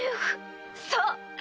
そう。